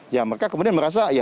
ya mereka kemudian merasa ya